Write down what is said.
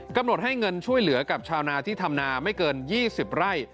กำหนดให้เงินช่วยเหลือกับชาวนาที่ทำนาไม่เกิน๒๐ไร่